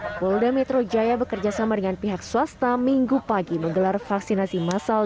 di bola metro jaya bekerja sama dengan pihak swasta minggu pagi menggelar vaksinasi massal